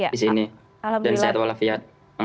di sini dan sehat walafiat